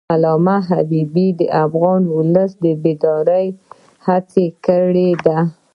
علامه حبیبي د افغان ولس د بیدارۍ هڅه کړې ده.